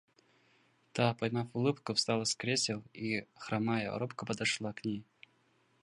Та, поймав улыбку, встала с кресел и, хромая, робко подошла к ней.